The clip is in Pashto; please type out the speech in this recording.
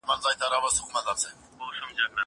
هغه څوک چي ليکنه کوي ښه زده کوي!!